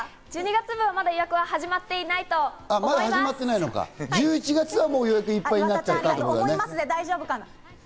１２月分の予約はまだ始まっていないと思います！と思いますで大丈夫かな？